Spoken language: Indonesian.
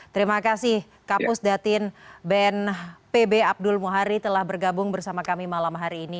terima kasih kapus datin bnpb abdul muhari telah bergabung bersama kami malam hari ini